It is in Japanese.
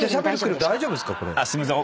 すいません。